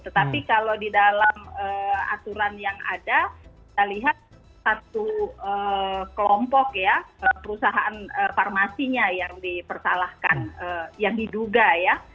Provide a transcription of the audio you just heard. tetapi kalau di dalam aturan yang ada kita lihat satu kelompok ya perusahaan farmasinya yang dipersalahkan yang diduga ya